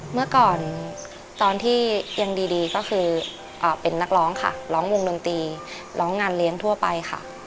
เมื่อก่อนตอนที่ยังดีก็คือเป็นนักร้องค่ะร้องวงดนตรีร้องงานเลี้ยงทั่วไปค่ะ